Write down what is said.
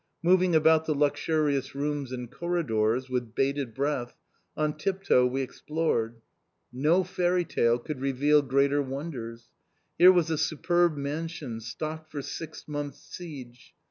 Moving about the luxurious rooms and corridors, with bated breath, on tip toe we explored. No fairy tale could reveal greater wonders. Here was a superb mansion stocked for six months' siege!